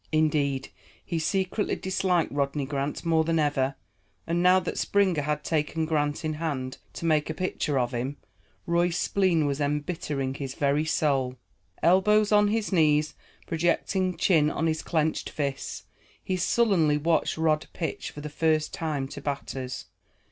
Indeed, he secretly disliked Rodney Grant more than ever, and, now that Springer had taken Grant in hand to make a pitcher of him, Roy's spleen was embittering his very soul. Elbows on his knees, projecting chin on his clenched fists, he sullenly watched Rod pitch for the first time to batters.